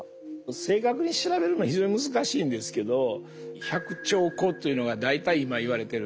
正確に調べるの非常に難しいんですけど１００兆個というのが大体今いわれてるところですね。